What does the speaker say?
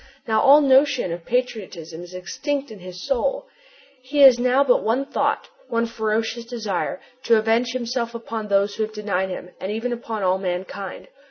Now all notion of patriotism is extinct in his soul. He has now but one thought, one ferocious desire: to avenge himself upon those who have denied him and even upon all mankind!